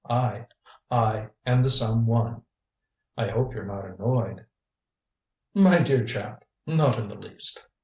I I am the some one. I hope you are not annoyed." "My dear chap! Not in the least.